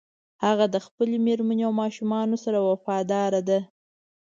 هغه د خپلې مېرمنې او ماشومانو سره وفاداره ده